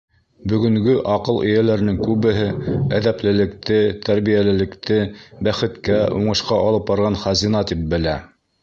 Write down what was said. Бөгөнгө аҡыл эйәләренең күбеһе әҙәплелекте, тәрбиәлелекте бәхеткә, уңышҡа алып барған хазина тип белә.